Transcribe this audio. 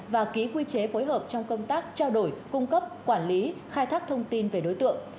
và ký quy chế phối hợp trong công tác trao đổi cung cấp quản lý khai thác thông tin về đối tượng